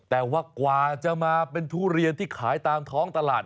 แต่ว่ากว่าจะมาเป็นทุเรียนที่ขายตามท้องตลาด